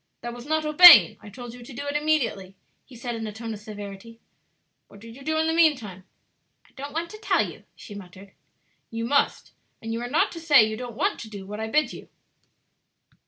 "That was not obeying; I told you to do it immediately," he said in a tone of severity, "What did you do in the mean time?" "I don't want to tell you," she muttered. "You must; and you are not to say you don't want to do what I bid you.